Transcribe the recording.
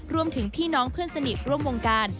พี่น้องเพื่อนสนิทร่วมวงการ